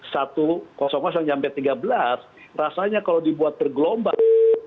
satu sampai tiga belas rasanya kalau dibuat bergelombang